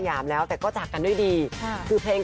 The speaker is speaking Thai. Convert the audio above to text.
การเดินทางปลอดภัยทุกครั้งในฝั่งสิทธิ์ที่หนูนะคะ